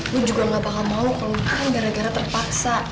lo juga gak bakal mau kalo ngapain gara gara terpaksa